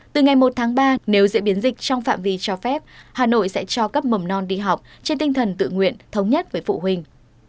từ ngày một tháng ba nếu diễn biến dịch trong phạm vi cho phép hà nội sẽ cho cấp mầm non đi học trên tinh thần tự nguyện thống nhất với phụ huynh